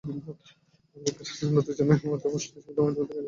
আমরা দুজনে গল্প করতে বসলেই মুহূর্তের মধ্যে কর্মজগতে প্রবেশ করতাম নিজের অজান্তেই।